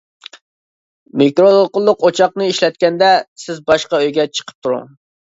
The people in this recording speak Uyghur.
مىكرو دولقۇنلۇق ئوچاقنى ئىشلەتكەندە، سىز باشقا ئۆيگە چىقىپ تۇرۇڭ.